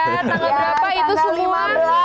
tanggal berapa itu semua